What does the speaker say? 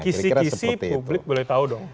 kisi kisi publik boleh tahu dong